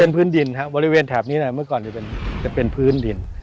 เป็นพื้นดินครับบริเวณแถบนี้เมื่อก่อนจะเป็นพื้นดิน